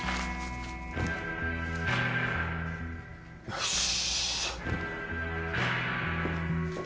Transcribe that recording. よし。